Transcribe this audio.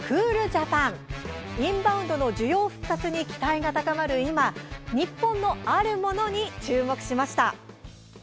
インバウンドの需要復活に期待が高まる今日本のあるものに注目しました。